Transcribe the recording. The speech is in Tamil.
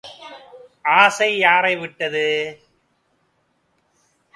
ஆசை யாரை விட்டது!